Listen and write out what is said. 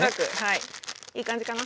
いい感じかな。